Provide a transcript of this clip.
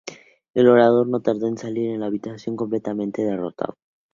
El orador no tardó en salir de la habitación completamente derrotado.